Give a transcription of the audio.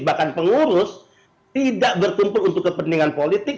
bahkan pengurus tidak bertuntut untuk kepentingan politik